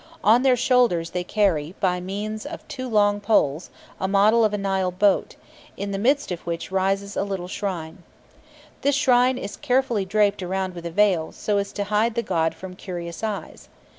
On their shoulders they carry, by means of two long poles, a model of a Nile boat, in the midst of which rises a little shrine. The shrine is carefully draped round with a veil, so as to hide the god from curious eyes.